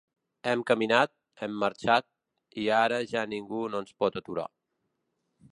Hem caminat, hem marxat, i ara ja ningú no ens pot aturar.